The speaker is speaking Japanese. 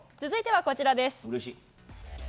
続いては、こちらです。